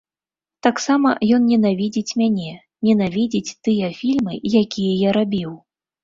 Таксама ён ненавідзіць мяне, ненавідзіць тыя фільмы, якія я рабіў.